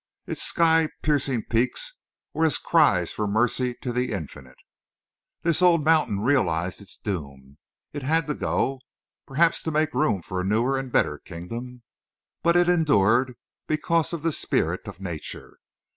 Its sky piercing peaks were as cries for mercy to the Infinite. This old mountain realized its doom. It had to go, perhaps to make room for a newer and better kingdom. But it endured because of the spirit of nature.